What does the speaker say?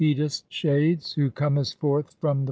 Destroyer), who comest forth from the 1.